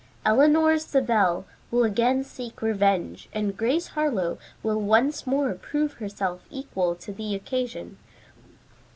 Eleanor Savell will again seek revenge, and Grace Harlowe will once more prove herself equal to the occasion.